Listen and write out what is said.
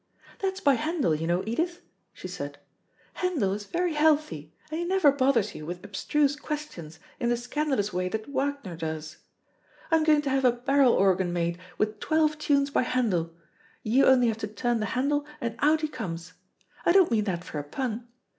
"That's by Handel, you know, Edith," she said. "Handel is very healthy, and he never bothers you with abstruse questions in the scandalous way that Wagner does. I'm going to have a barrel organ made with twelve tunes by Handel, you only have to turn the handle and out he comes. I don't mean that for a pun.